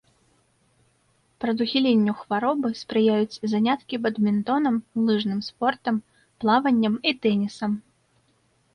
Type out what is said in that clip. Прадухіленню хваробы спрыяюць заняткі бадмінтонам, лыжным спортам, плаваннем і тэнісам.